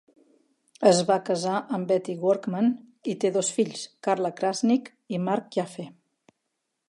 Es va casar amb Betty Workman i té dos fills: Carla Krasnick i Mark Yaffe.